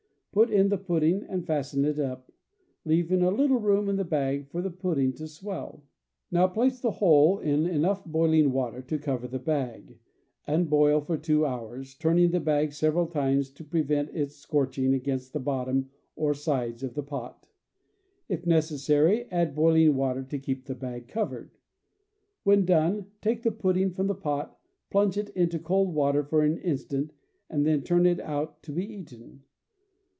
Put in the pudding and fasten it up, leaving a little room in the bag for the pudding to swell. Now place the whole in enough boiling water to cover the bag, and boil two hours, turning the bag several times to prevent its scorching against the bottom or sides of the pot. If necessary, add boiling water to keep the bag covered. When done take the pudding from the pot, plunge it into cold water for an instant, and then turn it out to be eaten.